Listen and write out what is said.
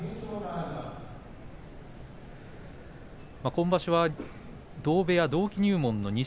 今場所は、同部屋、同期入門の錦